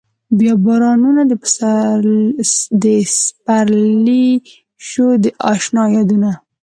بيا بارانونه د سپرلي شو د اشنا يادونه